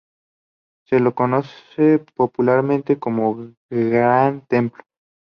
Se lo conoce popularmente como "gran templo".